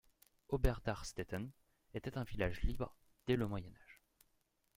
Oberdachstetten était un village libre dès le Moyen Âge.